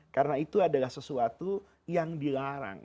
karena itu adalah sesuatu yang dilarang